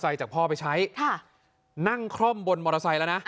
ยังไง